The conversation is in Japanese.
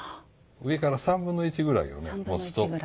上から３分の１ぐらいを持つと。